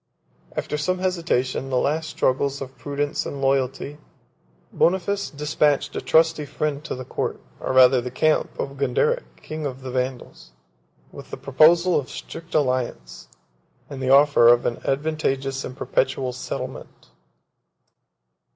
After some hesitation, the last struggles of prudence and loyalty, Boniface despatched a trusty friend to the court, or rather to the camp, of Gonderic, king of the Vandals, with the proposal of a strict alliance, and the offer of an advantageous and perpetual settlement.